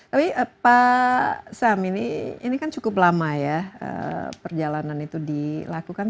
tapi pak sam ini kan cukup lama ya perjalanan itu dilakukan